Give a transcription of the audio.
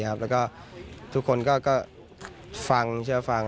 แล้วก็ทุกคนก็ฟังเชื่อฟัง